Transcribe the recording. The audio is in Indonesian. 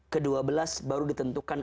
kedua belas baru ditentukan